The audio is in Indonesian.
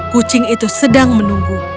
kucing itu sedang menunggu